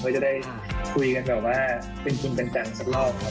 เพื่อได้คุยกันกันเป็นคุณเป็นแบ่งกันสักครอบครับ